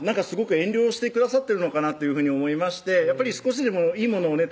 遠慮してくださってるのかなというふうに思いましてやっぱり少しでもいいものをね